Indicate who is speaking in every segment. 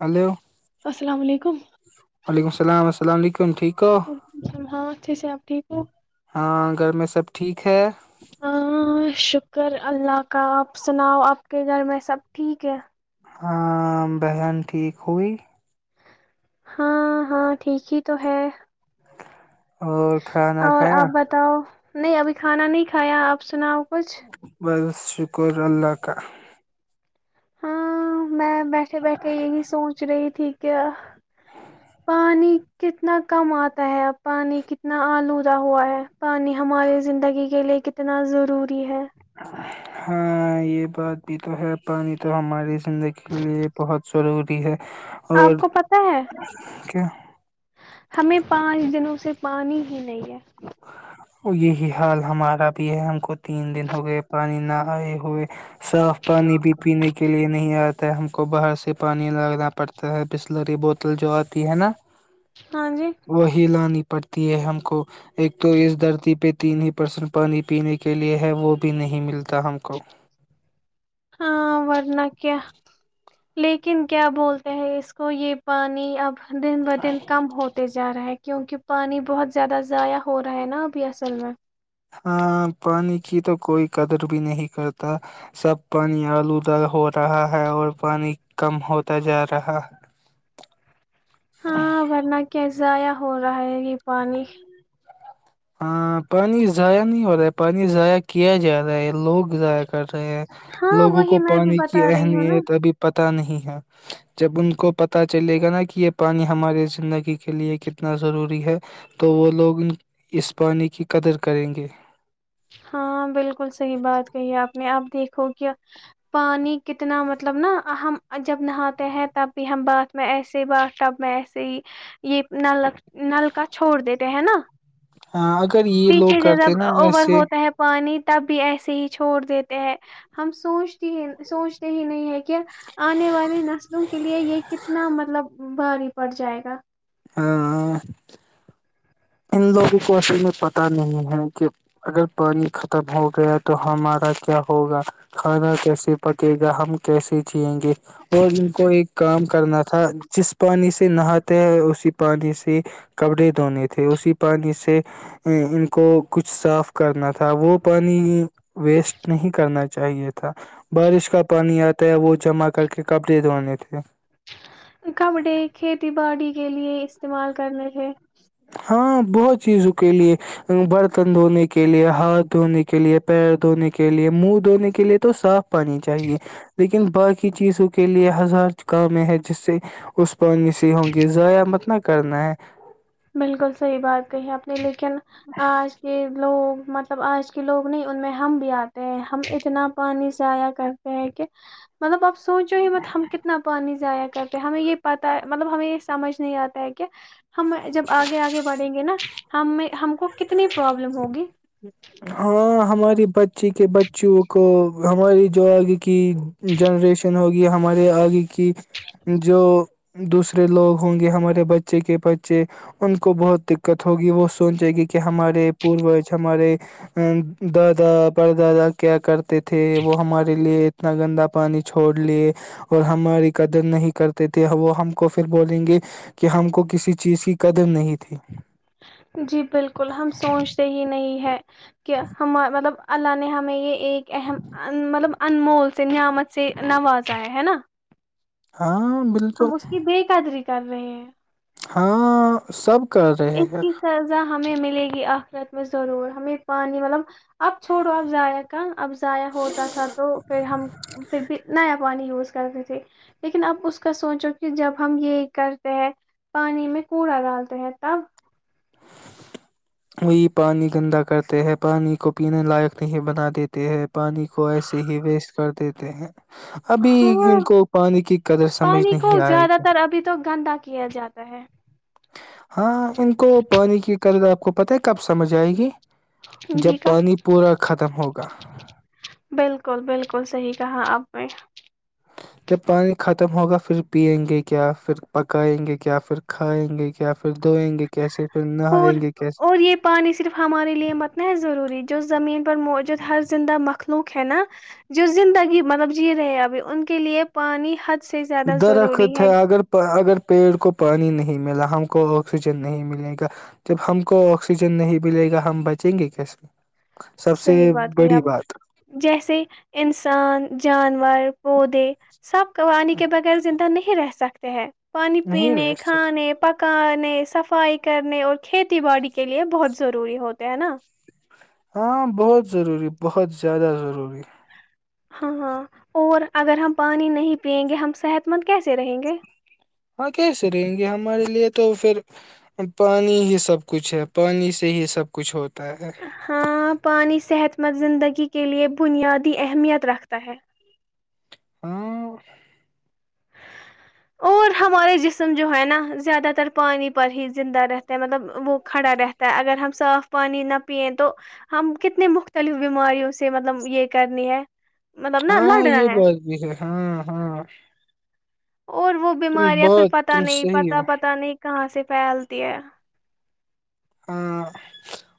Speaker 1: Hello
Speaker 2: السلام عیکم
Speaker 1: وعلیکم السلام السلام علیکم ٹھیک ہو
Speaker 2: وعلیکم السلام ہاںچی سے آپ ٹھیک ہو
Speaker 1: ہاں گھر میں سب ٹھیک ہے
Speaker 2: ہاں شک کر اللہ کا آپ سناؤ آپ کے گھر میں سب ٹھیک ہے
Speaker 1: ہاں بہن ٹھیک ہوئی
Speaker 2: ہاں ہاں ٹھیک ہی تو ہے
Speaker 1: اور کھانا
Speaker 2: اور
Speaker 1: کھایا
Speaker 2: آپ بتاؤ نہیں ابھی کھانا نہیں کھایا آپ سناؤ خچھ
Speaker 1: بس شکر اللہ کا
Speaker 2: ہاں میں بیٹھے بیٹھے یہی سوچ رہی تھی ٹھیک ہے پانی کتنا کم آتا ہے اب پانی کتنا آلودہ ہوا ہے پانی ہمارے زندگی کے لیے کتنا ضروری ہے
Speaker 1: ہاں یہ بات بھی تو ہے پانی تو ہماری زندگی کے لیے بہت ضروری ہے
Speaker 2: آپ
Speaker 1: اور
Speaker 2: کو پت ہے
Speaker 1: کیا
Speaker 2: ہمیں پانچ دنوں سے پانی ہی نہیں ہے
Speaker 1: یہی حال ہمارا بھی ہے ہم کو تین دن ہو گئے پرانی نہ آئے ہوئے صاف پانی بھی پینے کے لیے نہیں آتا ہم کو باہر سے پانی لگانا پڑتا ہے بسلری بوتل جو آتی ہے نا
Speaker 2: ہاں جی
Speaker 1: وہ ہی لانی پڑتی ہے ہم کو ایک تو اس دھرتی پہ تین ہی پرسنٹ پانی پینے کے لیئے ہے وہ بھی نہیں ملتا ہم کو
Speaker 2: ہاں ورن کیا لیکن کیا بولتے ہیں اس کو یہ پانی اب دن ب دن کم ہوتے جا رہا ہے کیونکہ پانی بہت زیادہ ضائع ہو رہا ہے نا ابھی اصل میں
Speaker 1: ہاں پانی کی تو کوئی قدر بھی نہیں کرتا سب پانی آلودال ہو رہا ہے اور پانی کم ہوتا جا رہا ہے
Speaker 2: ہاں ورنہ کیزایا ہو رہا ہے یہ پانی
Speaker 1: ہاں پانی ضائع نہیں ہو رہا ہے پانی ضائع کیا جا رہا ہے لوگ ضاع کر
Speaker 2: ہاں
Speaker 1: لوگوں
Speaker 2: وہی
Speaker 1: کو
Speaker 2: میں بھی
Speaker 1: پانی کی
Speaker 2: بتا رہی ہوں نا
Speaker 1: اہمیت ابھی پت پ نہیں ہے جب ان کو پتا چلے گا نا کہ یہ پانی ہمارے زندگی کے لیے کتنا ضروری ہے تو وہ لوگ اس پانی کی قدر کریں گے
Speaker 2: ہاں بالکل صحیح بات کہی ہے آپ نے اب دیکھو کہ پانی کتنا مطلب نا ہم جب نہاتے ہیں تب بھی ہم باتدھ میں ایسے ہی باتب میں ایسے ہی یہ نل نل کا چھوڑ دیتے ہیں نا
Speaker 1: ہاں اگر یہ لوگ
Speaker 2: پیچھے سے
Speaker 1: کرتے
Speaker 2: جب
Speaker 1: ہیں نا
Speaker 2: اوور
Speaker 1: ایسے
Speaker 2: ہوتا ہے پانی تب بھی ایسے ہی چھوڑ دیتے ہیں ہم سوچتے ہی سوچتے ہی نہیں ہے کہ آنے والی نسلوں کے کے لیے یہ کتنا مطلب بھاری پڑ جائے گا
Speaker 1: ہاں ان لوگوں کو اصل میں پت نہیں ہے کہ اگر پانی ختم ہو گیا تو ہمارا کیا ہوگا کھانا کیسے پکے گا ہم کیسے جیئیں گے اور ان کو ایک کام کرنا تھا جس پانی سے نہاتے ہیں اسی پانی سے کپڑے دھونے تھے تھے اسی پانی سے ان کو کچھ صاف کرنا تھا وہ پانی ویسٹ نہیں کرنا چاہیے تھا بارش کا پانی آتا ہے وہ جمع کر کے کپڑے دھونے تھے
Speaker 2: کپڑے کھیتی باڑی کے لیے استعمال کرنے تھے
Speaker 1: ہاں بہت چیزوں کے لیے برتن دھونے کے لیے ہاتھ دھونے کے لیے پیر دھونے کے لیے منہ دھونے کے لیے تو صاف پانی چاہیے لیکن باقی چیزوں کے لیے ہزار کامیں ہیں جس سے اس پانی سے ہوں گے ضائع مطلب کرنا ہے
Speaker 2: بالکل صحیح بات کہی آپ نے لیکن آج کے لوگ مطلب آج کے لوگ نہیں ان میں ہم بھی آتے ہیں ہم اتنا پانی سے آیا کرتے ہیں کہ مطلب اب سوچو ہی مت ہم کتنا پانی سے جایا کرتے ہمیں یہ پتا مطلب ہمیں یہ سمجھ نہیں آتا ہے کہ ہم جب آگے آگے بڑھیں گے نا ہم میں ہم کو کتنی پروابلم ہوگی
Speaker 1: بچی کے بچوں کو ہماری جو آگے کی جنریشن ہو ہمارے آگے کی جو دوسرے لوگ ہوں گے ہمارے بچے کے بچے ان کو بہت دقت ہوگی وہ سوچے گی کہ ہمارے پوج ہمارے دادا پر دادا کیا کر تھے وہ ہمارے لیے انا گندا پانی چھوڑ لیے اور ہماری قدر نہیں کرتے تھے وہ ہم کو پھر بولیں گے کہ ہم کو کسی چیز کی قدم نہیں تھی
Speaker 2: جی بالکل ہم سوچتے ہی نہیں ہے کہ ہمار مطلب اللہ نے ہمیں یہ ایک اہم مطلب انمول سے نعمت سے نوازایا ہے نا
Speaker 1: ہاں بالکل
Speaker 2: ہم اس کی بے قدری کر رہے ہیں
Speaker 1: ہاں سب کر رہے
Speaker 2: اس
Speaker 1: ہیں
Speaker 2: کی سزا ہمیں ملے گی آخ رات میں ضرور ہمیں پانی مطلب اب چھوڑو اب ضائع کا اب ضائع ہوتا تھا تو پھر ہم پھر بھی ن پانی یوز کرتی تھی لیکن اب اس کا سوچو کہ جب ہم یہ کرتے ہیں پانی میں کوڑا ڈالتے ہیں تا [unintelligible]
Speaker 1: وہی پانی گندا کرتے ہیں پانی کو پینے لائق نہیں بنا دیتے ہیں پانی کو ایسے ہی ویسٹ کرتے کہ ہیں [unintelligible] ابھی
Speaker 2: ہاں
Speaker 1: ان کو پانی کی قدر سمجھ
Speaker 2: پانی
Speaker 1: نہیں
Speaker 2: کو
Speaker 1: آئے
Speaker 2: زیادہ
Speaker 1: گی
Speaker 2: تر ابھی تو گندا کیا جاتا ہے
Speaker 1: ہاں ان کو پانی کی قدر آپ کو پتہ ہے کب سمجھ آئے گی جب
Speaker 2: جی کا
Speaker 1: پانی پورا ختم ہوگا
Speaker 2: بالکل بالکل صحیح کہا آپ نے
Speaker 1: جب پانی ختم ہوگا پھر پیئیں گے کیا پھر پکائیں گے کیا پھر کھائیں گے کیا پھر دھوئیں گے کیسے پھر
Speaker 2: اور
Speaker 1: نہائیں گے کیسے
Speaker 2: اور یہ پانی صرف ہمارے لیے متنا ہے ضروری جو زمین پر موجود ہر زندہ مخ لوک ہے نا جو زندگی مطلب جی رہے ہیں ابھی ان کے لیے پانی حت
Speaker 1: درخت ہے اگر اگر پیڑ کو پانی نہیں ملا ہم کو آکسیجن نہیں ملے گا جب ہم کو آکسیجن نہیں ملے گا ہم بچیں گے کیسے سب سے
Speaker 2: صحیح بات ہے
Speaker 1: بڑی
Speaker 2: آپ
Speaker 1: بات
Speaker 2: جیسے انسان جانور وہ د سب قوانی کے بغیر زندہ نہیں رہ سکتا کرتے ہیں پانی
Speaker 1: نہیں
Speaker 2: پینے
Speaker 1: ویسٹ
Speaker 2: کھانے پکان سفائی کرنے اور کھیتی باڑی کے لیے بہت ضروری ہوتے ہے نا
Speaker 1: ہاں بہت ضروری بہت زیادہ ضروری
Speaker 2: ہاں ہاں اور اگر ہم پانی نہیں پیئیں گے ہم صحت مند کیسے رہیں گے
Speaker 1: ہاں کیسے رہیں گے ہمارے لیے تو پھر پانی ہی سب کچھ ہے پانی سے ہی سب کچھ ہوتا ہے
Speaker 2: ہاں پانیانی صحت مند زندگی کے لئے بنیادی اہمیت رکھتا ہے
Speaker 1: ہاں
Speaker 2: اور ہمارے جسم جو ہے نا زیادہ تر پانی پر ہی زندہ رہتا ہیں مطلب وہ کھڑا رہتا ہے اگر ہم صاف پانی نہ پیئیں تو ہم کتنے مختلف بیماریوں سے مطلب یہ کرنی ہے مطلب نا
Speaker 1: ہاں
Speaker 2: لڑنا
Speaker 1: یہ
Speaker 2: ہے
Speaker 1: بات بھی ہے ہاں ہاں
Speaker 2: اور وہ
Speaker 1: تم
Speaker 2: بیماریاں پھر
Speaker 1: بہت
Speaker 2: پتاہ
Speaker 1: تم
Speaker 2: نہیں
Speaker 1: صحیح
Speaker 2: پتا
Speaker 1: ہو
Speaker 2: پتہ نہیں کہاں سے پھیلتی ہے
Speaker 1: ہاں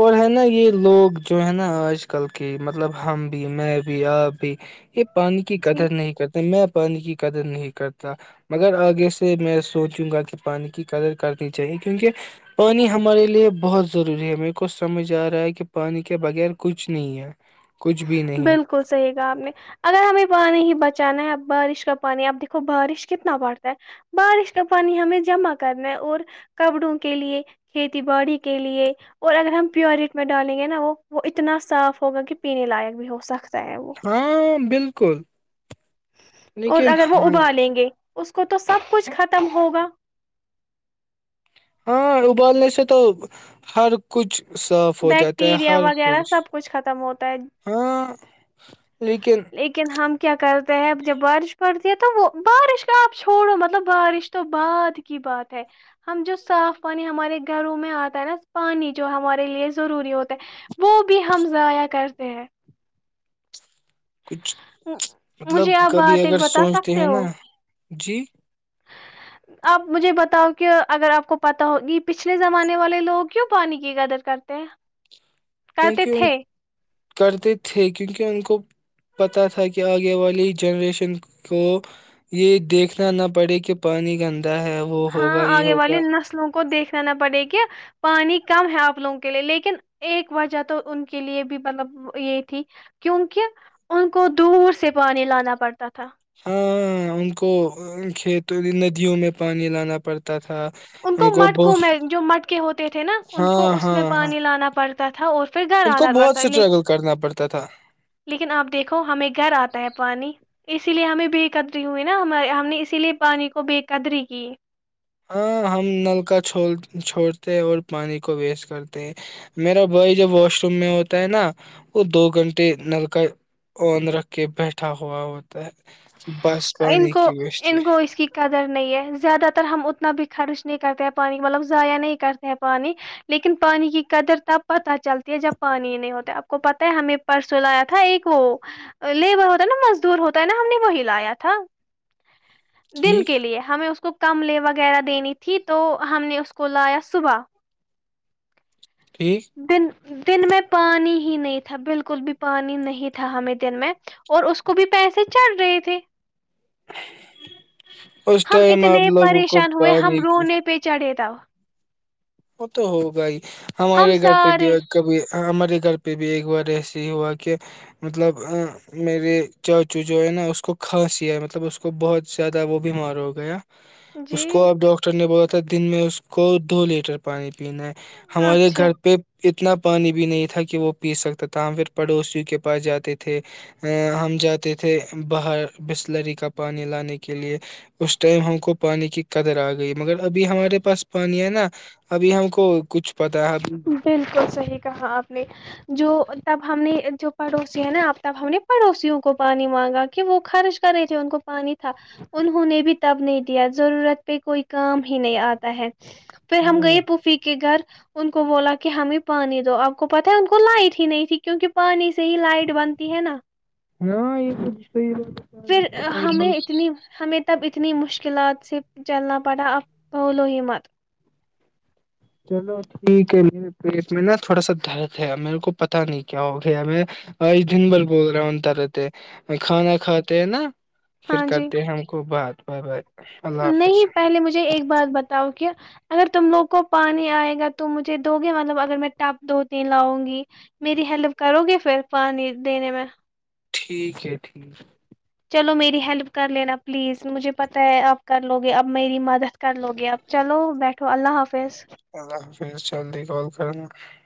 Speaker 1: اور ہے نا یہ لوگ جو ہے نا آج کل کے مطلب ہم بھی میں بھی آپ بھی یہ پانی کی
Speaker 2: جی
Speaker 1: قدر نہیں کرتے میں پانی کی قدر نہیں کرتا مگر آگے سے میں سوچوں گا کہ پانی کی قدر کرنی چاہیے کیونکہ پانی ہمارے اس لیے بہت ضروری ہے میرے کو سمجھ آ رہا ہے کہ پانی کے بغیر کچھ نہیں ہے کچھ بھی نہیں
Speaker 2: بالکل صحیح کہا آپ نے اگر ہمیں پانی ہی بچ پچانا ہے اب بارش کا پانی اپ دیکھو بارش کتنا پڑتا ہے بارش کا پانی ہمیں جمع کرنا ہے اور کپڑوں کے لیے کھیتی باڑی کے لیے اور اگر ہم پیورٹ میں ڈالیں گے نا وہ وہ اتنا صاف ہوگا کہ پینے لائق بھی ہو سکتا ہے وہ
Speaker 1: ہاں بالکل
Speaker 2: اور
Speaker 1: لیکن
Speaker 2: اگر وہ
Speaker 1: ہاں
Speaker 2: ابال لیں گے اس کو تو سب کچھ ختم ہوگا
Speaker 1: ہاں ابولنے سے تو ہر کچھ صاف ہو جاتا ہے
Speaker 2: بیکٹیریا
Speaker 1: ہر
Speaker 2: وغیرہ
Speaker 1: کچھ
Speaker 2: سب ختم ہوتا ہے
Speaker 1: ہاں
Speaker 2: لیکن ہم کیا کرتے ہیں جب بارش پڑتی یہ تو وہ بارش کا آپ چھوڑو مطلب بارش تو بعد کی بات ہے ہم جو صاف پانی ہمارے گھروں میں آتا ہے نا پانی جو ہمارے لیے ضروری ہوتا ہے وہ بھی ہم ضائع کرتے ہیں
Speaker 1: کچھ مطلب
Speaker 2: مجھے آپ
Speaker 1: کبھی
Speaker 2: بات ایک
Speaker 1: اگر
Speaker 2: بتا
Speaker 1: سوچتے
Speaker 2: سکتے
Speaker 1: ہیں نا
Speaker 2: ہو
Speaker 1: جی [unintelligible]
Speaker 2: آپ مجھے بتاؤ کہ اگر آپ کو پتا ہوگی پچھلے زمانے والے لوگ کیوں پانی کی قدر کرتے ہیں کرتے
Speaker 1: کیونکہ ان
Speaker 2: تھے [unintelligible]
Speaker 1: کرتے تھے کیونکہ ان کو پتاہ تھا کہ آگے والی جنریشن کو یہ دیکھنا نہ پڑے کہ پانی گند
Speaker 2: ہاں آگے والے نسلوں کو دیکھنا نہ پڑے کہ پانی کم ہے آپ لوگوں کے لیے لیکن ایک وجہ تو ان کے لیے بھی مطلب یہ تھی کیونکہ ان کو دور سے پانی لانا پڑتا تھا
Speaker 1: ہاں ان کو کھیت ندیوں میں پانی لانا پڑتا تھا
Speaker 2: ان کو مٹکوں میں جو مٹکے ہوتے تھے نا ان کو
Speaker 1: ہاں
Speaker 2: اس
Speaker 1: ہاں
Speaker 2: میں
Speaker 1: ہاں
Speaker 2: پانی لانا پڑتا تھا اور پھر گھر
Speaker 1: ان کو
Speaker 2: آنا
Speaker 1: بہت
Speaker 2: پڑتا
Speaker 1: اسٹرگل کرنا پڑتا تھا
Speaker 2: لیکن آپ دیکھو ہمیں گھر آتا ہے پانی اسی لیے ہمیں بے قدری ہوئی نا ہمے ہم نے اسی لیے پانی کو بے قدری کی
Speaker 1: ہاں ہم نل کا چھوڑتے ہیں اور پانی کو ویسٹ کرتے ہیں میرا بھائی جوب واش روم میں ہوتا ہے نا وہ دو گھنٹے نل کا آن رکھ کے بیٹھا ہوا ہوتا ہے بس
Speaker 2: ان
Speaker 1: پانی
Speaker 2: کو
Speaker 1: کی ویسٹ
Speaker 2: ان کو اس کی قدر نہیں ہے زیادہ تر ہم اتنا بھی خرچ نہیں کرتے ہیں پانی مطلب ضائع نہیں کرتے ہیں پانی لیکن پانی کی قدر تب پتہ چلتی ہے جب پانی نہیں ہوتا آپ کو پتہ ہے ہمیں پرسوں لایا تھا ایک وہ لیبر ہوتا ہے نا مزدور ہوتا ہے نا ہم نے وہی لایا تھا تھا [unintelligible] دن
Speaker 1: ٹھیک
Speaker 2: کے لیے ہمیں اس کو [unintelligible] کملے وغیرہ دینی تھی تو ہم نے اس کو لایا صبح
Speaker 1: ٹھیک
Speaker 2: دن دن میں پانی ہی نہیں تھا بالکل بھی پانی نہیں تھا ہمیں دن میں اور اس کو بھی پیسے چڑھ رہے تھے
Speaker 1: اس
Speaker 2: ہم
Speaker 1: ٹائم
Speaker 2: اتنے
Speaker 1: آپ لوگوں کو
Speaker 2: پریشان ہوئے ہم
Speaker 1: پانی کی
Speaker 2: رونے پہ چڑھے تھے تا [unintelligible]
Speaker 1: وہ تو ہوگا ہی [unintelligible]
Speaker 2: ہم
Speaker 1: ہمارے گھر پہ
Speaker 2: سارے
Speaker 1: کبھی [unintelligible] ہمارے گھر پہ بھی ایک بار ایسے ہی ہوا کہ مطلب میرے چاچو جو ہے نا اس کو کھانسییا مطلب اس کو بہت زیادہ وہ بیمار ہو گیا
Speaker 2: جی
Speaker 1: اس کو اب ڈاکٹر نے بہت [unintelligible] دن میں اس کو دو لیٹر پ پانی [unintelligible] پینا ہے ہمارے
Speaker 2: اچھا
Speaker 1: گھر پہ اتنا پانی بھی نہیں تھا کہ وہ پی سکتا تھا ہم پھر پڑوسیوں کے پاس جاتے تھے ا ہم جاتے تھے باہر بسلری کا پانی لانے کے لیے اس ٹائم ہم کو پانی کی قدر آ گئی مگر ابھی ہمارے پاس پانی ہے نا ابھی ہم کو کچھ پتا ہے ابھی
Speaker 2: بالکل صحیح کہا آپ جو تب ہم نے جو پڑوسی ہیں نا ا تب ہم نے پڑوسیوں کو پانی مانگا کہ وہ خرچ کرے تھے ان کو پانی تھا انہوں نے بھی تب نہیں دیا ضرورت پہ کوئی کام ہی نہیں آتا ہے پھر ہم
Speaker 1: نہ نہ
Speaker 2: گئے پوفی کے گھر ان کو بولا کہ ہمیں پانی دو آپ کو پتا ہے ان کو لائٹ ہی نہیں تھی کیونکہ پانی سے ہی لائٹ بنتی ہے نا
Speaker 1: ہاں، یہ تو صحیح
Speaker 2: پھر
Speaker 1: بات ہے۔
Speaker 2: ہمیں اتنی ہمیں تب اتنی مشکلات سے چلنا پڑا ا بول و ہی مت
Speaker 1: چلو ٹھیک ہے میرے پیٹ میں نا تھوڑا سا درد ہے میرے کو پتا نہیں کیا ہو گیا میں آج دن بھر بول رہا ہوں درد ہے کھانا کھاتے ہیں نا پھر
Speaker 2: ہاں جی
Speaker 1: کرتے ہیں ہم کوو بات بائے بائے اللہ حافظ
Speaker 2: نہیں پہلے مجھے ایک بات بتاؤ اگر تم لوگ کو پانی آئے گا تو مجھے دو گے مطلب اگر میں ٹپ دو تین لاؤں گی میری ہیلپ کرو گے پھر پانی دینے میں
Speaker 1: ٹھیک ہے ٹھیک
Speaker 2: چلو میری ہیلپ کر لینا پلیز مجھے پتہ ہے آپ کر لو گے اب میری مدد کر لو گے اب چلو بیٹھو اللہ حافظ
Speaker 1: اللہ حافظ جلدی کال کرناا